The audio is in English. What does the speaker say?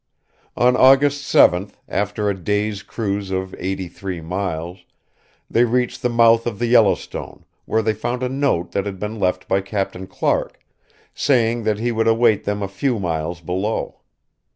On August 7th, after a day's cruise of eighty three miles, they reached the mouth of the Yellowstone, where they found a note that had been left by Captain Clark, saying that he would await them a few miles below.